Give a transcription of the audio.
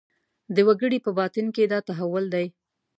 د وګړي په باطن کې دا تحول دی.